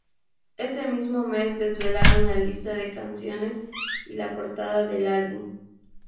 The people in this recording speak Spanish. Ese mismo mes desvelaron la lista de canciones y la portada del álbum.